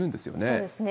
そうですね。